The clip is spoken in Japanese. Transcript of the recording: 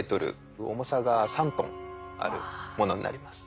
重さが３トンあるものになります。